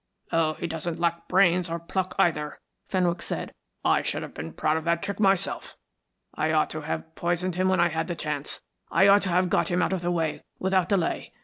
"Oh, he doesn't lack brains, or pluck either," Fenwick said. "I should have been proud of a trick like that myself. I ought to have poisoned him when I had the chance. I ought to have got him out of the way without delay.